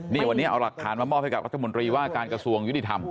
นี่วันนี้เอาหลักฐานมามอบให้กับรัฐมนตรีว่าการกระทรวงยุติธรรม